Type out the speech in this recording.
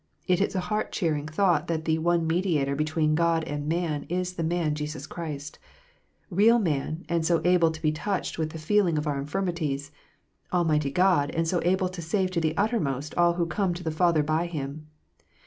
It is a heart cheering thought that the "One Mediator between God and man is the man Jesus Christ :" real Man, and so able, to be touched with the feeling of our infirmities ; Almighty (rod, and so able to save to the uttermost all who come to the Father by Him.